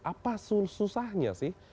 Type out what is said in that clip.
apa susahnya sih